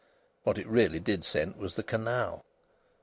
(What it really did scent was the canal.)